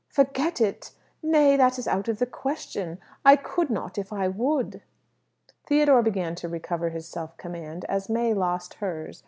"Forget it! Nay, that is out of the question. I could not if I would." Theodore began to recover his self command as May lost hers.